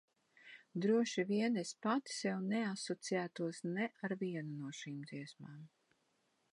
Droši vien es pati sev neasociētos ne ar vienu no šīm dziesmām.